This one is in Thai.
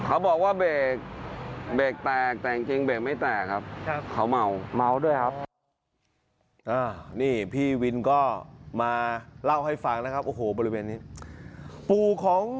อ้านี่พี่วินก็มาเล่าให้ฟังนะครับโอ้โหบริเวณนี้ปู่ของ